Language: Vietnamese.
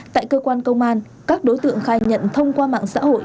tại cơ quan công an các đối tượng khai nhận thông qua mạng xã hội